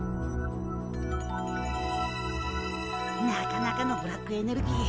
なかなかのブラックエネルギー。